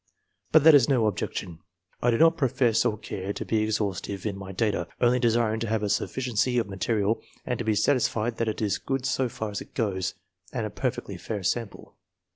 But that is no objection ; I do not profess or care to be exhaustive in my data, only desiring to have a sufficiency of material, and to be satisfied that it is good so far as it goes, and a perfectly fair sample.